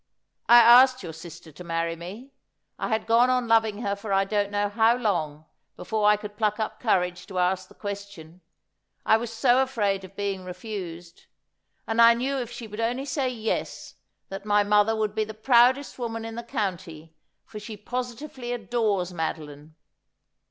' I asked your sister to marry me. I had gone on loving her for I don't know how long, before I could pluck up courage to ask the question, I was so afraid of being refused. And I knew if she would only say "Yes," that my mother would be the proudest woman in the county, for she positively adores Madeline.